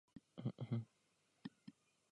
Používaly inerciální navádění.